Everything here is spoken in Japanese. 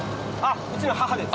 うちの母です。